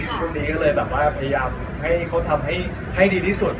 ช่วงนี้ก็เลยแบบว่าพยายามให้เขาทำให้ดีที่สุด